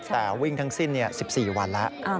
แต่วิ่งทั้งสิ้น๑๔วันแล้ว